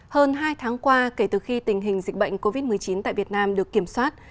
hơn hai tháng qua kể từ khi tình hình dịch bệnh covid một mươi chín tại việt nam được kiểm soát